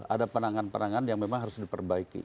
ada penangan perangan yang memang harus diperbaiki